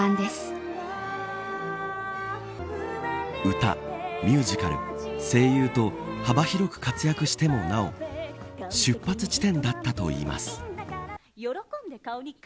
歌、ミュージカル、声優と幅広く活躍してもなお出発地点だったといいます。